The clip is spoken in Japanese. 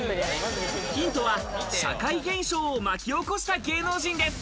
ヒントは社会現象を巻き起こした芸能人です。